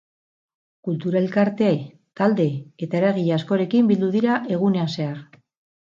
Kultur elkarte, talde eta eragile askorekin bildu dira egunean zehar.